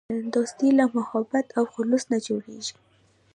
دوستي له محبت او خلوص نه جوړیږي.